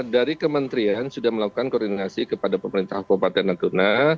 dari kementerian sudah melakukan koordinasi kepada pemerintah kabupaten natuna